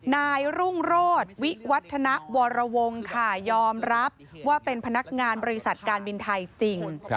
นายรุ่งโรธวิวัฒนวรวงค่ะยอมรับว่าเป็นพนักงานบริษัทการบินไทยจริง